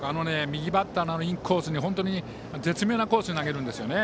右バッターのインコースに絶妙なコースに投げるんですよね